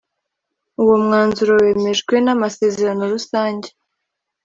Uwo mwanzuro wemejwe n amasezerano rusange